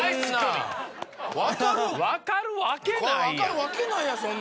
分かるわけないやん。